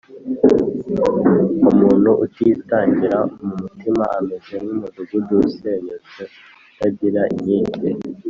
umuntu utitangīra mu mutima, ameze nk’umudugudu usenyutse utagira inkike